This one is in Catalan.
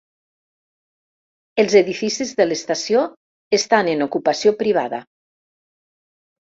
Els edificis de l'estació estan en ocupació privada.